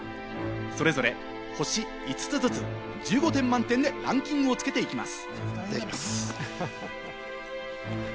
それぞれ星５つずつ、１５点満点でランキングをつけていきます。